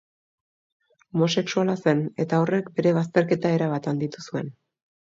Homosexuala zen eta horrek bere bazterketa erabat handitu zuen.